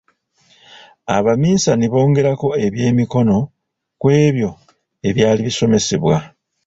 Abaminsani bongerako ebyemikono ku ebyo ebyali bisomesebwa.